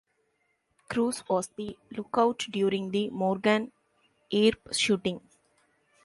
Cruz was the lookout during the Morgan Earp shooting.